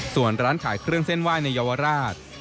ส่วนร้านขายเครื่องเส้นไหว้ในเยาวราช